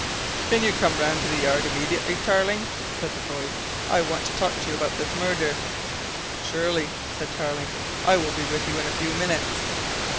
"Can you come round to the Yard immediately, Tarling?" said the voice. "I want to talk to you about this murder." "Surely," said Tarling. "I'll be with you in a few minutes."